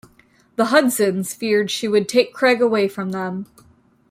The Hudsons feared she would take Craig away from them.